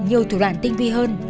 nhiều thủ đoạn tinh vi hơn